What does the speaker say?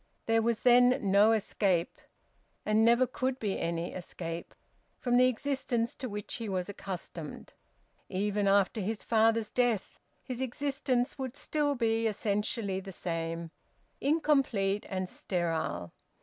There was then no escape, and never could be any escape, from the existence to which he was accustomed; even after his father's death, his existence would still be essentially the same incomplete and sterile.